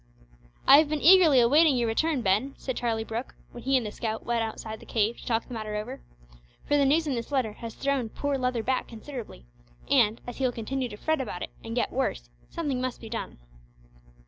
"I have been eagerly awaiting your return, Ben," said Charlie Brooke, when he and the scout went outside the cave to talk the matter over, "for the news in this letter has thrown poor Leather back considerably, and, as he will continue to fret about it and get worse, something must be done."